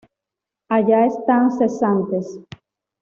Allá están cesantes.